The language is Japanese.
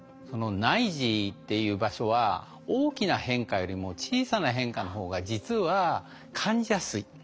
この内耳っていう場所は大きな変化よりも小さな変化の方が実は感じやすい。